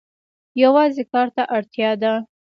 یوازې کار ته اړتیا ده.